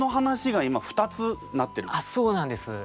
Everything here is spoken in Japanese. あっそうなんです。